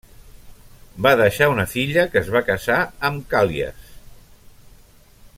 Va deixar una filla que es va casar amb Càl·lies.